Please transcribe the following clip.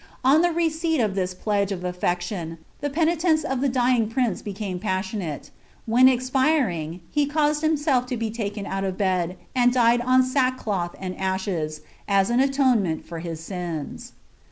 On the receipt of this pledQ;c of atTcc i IMM, Uie penitence of the dying prince became passionate; when ex fimgt he caused himself to be mken out of bed, and died on sackcloth ' nd sehea, u an atonement for his sins.